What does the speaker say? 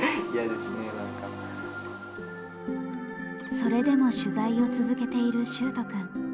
それでも取材を続けている秀斗くん。